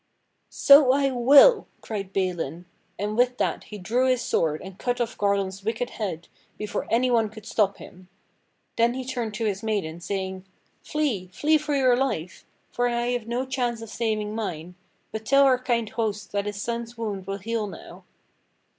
"So I will!" cried Balin. And with that he drew his sword and cut off Garlon's wicked head before any one could stop him. Then he turned to his maiden saying: "Flee ! flee for your life; for I have no chance of saving mine. But tell our kind host that his son's wound will heal now!"